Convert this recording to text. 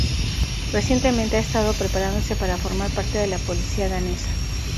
Recientemente ha estado preparándose para formar parte de la policía danesa.